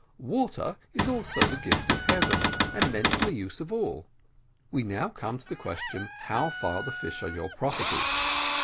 Water is also the gift of heaven, and meant for the use of all. We now come to the question how far the fish are your property.